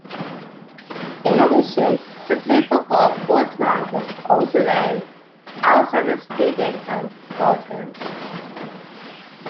In addition to playing football, Fortmann was also an outstanding student at Fordham.